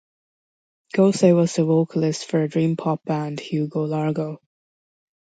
Goese was the vocalist for dream pop band Hugo Largo.